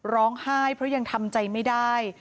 ร้องไห้เพราะยังทำใจไม่ได้